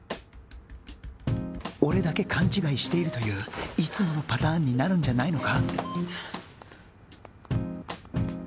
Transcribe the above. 俺だけ勘違いしているといういつものパターンになるんじゃないのか？